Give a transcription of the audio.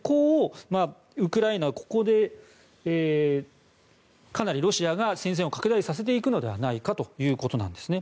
ウクライナはここでかなり、ロシアが戦線を拡大させていくのではないかということなんですね。